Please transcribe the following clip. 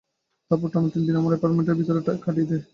তারপর টানা তিন দিন আমরা এপার্টম্যান্টের ভিতরেই কাটিয়ে দিই।